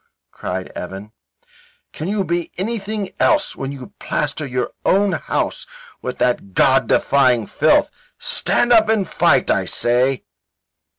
cried Evan. "Can you be anything else when you plaster your own house with that God defying filth? Stand up and fight, I say."